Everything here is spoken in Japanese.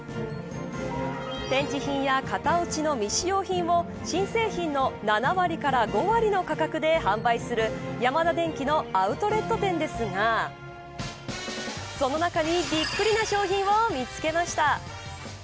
展示品や未使用品を新製品の７割から５割の価格で販売するヤマダデンキのアウトレット店ですがその中にびっくりな商品を見つけました。